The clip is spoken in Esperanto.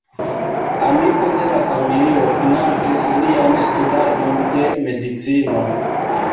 Amiko de la familio financis lian studadon de medicino.